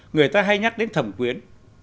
người ta hay nhắc đến thẩm quyến